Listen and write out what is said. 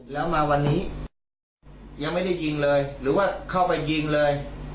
แล้วมาวันนี้ยังไม่ได้ยิงเลยหรือว่าเข้าไปยิงเลย